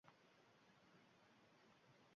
Men har holda, o’lmasam kerak!